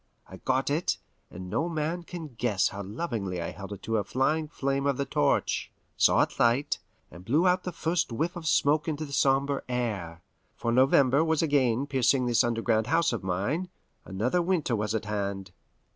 I got it, and no man can guess how lovingly I held it to a flying flame of the torch, saw it light, and blew out the first whiff of smoke into the sombre air; for November was again piercing this underground house of mine, another winter was at hand.